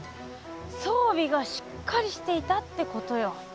そうびがしっかりしていたってことよ。